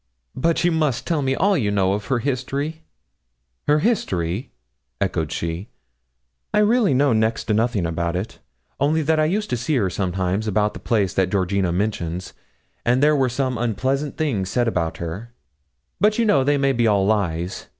'But you must tell me all you know of her history.' 'Her history?' echoed she. 'I really know next to nothing about it; only that I used to see her sometimes about the place that Georgina mentions, and there were some unpleasant things said about her; but you know they may be all lies.